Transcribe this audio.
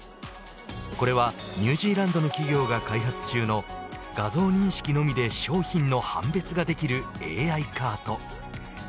これはニュージーランドの企業が開発中の画像認識のみで商品の判別ができるＡＩカート。